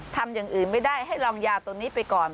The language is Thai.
ทำอย่างอื่นไม่ได้ให้ลองยาตัวนี้ไปก่อน